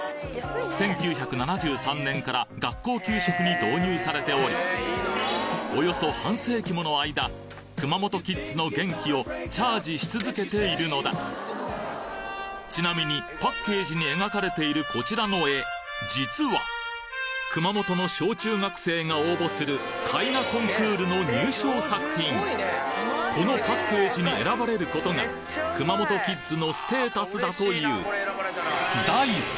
１９７３年から学校給食に導入されておりおよそ半世紀もの間熊本キッズの元気をチャージし続けているのだちなみにパッケージに描かれているこちらの絵実は熊本の小中学生が応募する絵画コンクールの入賞作品このパッケージに選ばれる事が熊本キッズのステータスだという！